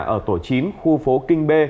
ở tổ chím khu phố kinh b